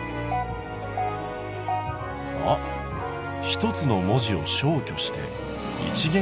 「ひとつの文字を消去して一元